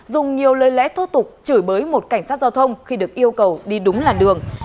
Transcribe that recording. dùng nhiều lời lẽ thô tục chửi bới một cảnh sát giao thông khi được yêu cầu đi đúng làn đường